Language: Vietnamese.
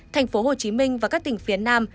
thành phố hồ chí minh và các tỉnh phía nam